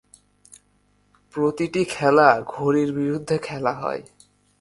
প্রতিটি খেলা ঘড়ির বিরুদ্ধে খেলা হয়।